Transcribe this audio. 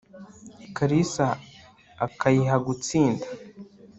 kalisa akayiha gutsinda